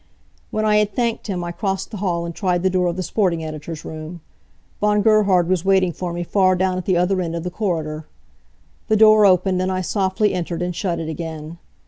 When I had thanked him I crossed the hall and tried the door of the sporting editor's room. Von Gerhard was waiting for me far down at the other end of the corridor. The door opened and I softly entered and shut it again.